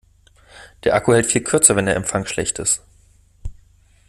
Der Akku hält viel kürzer, wenn der Empfang schlecht ist.